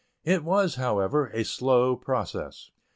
It was, however, a slow process.